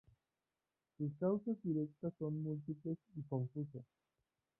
Sus causas directas son múltiples y confusas.